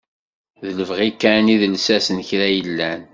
D lebɣi kan i d lsas n kra yellan.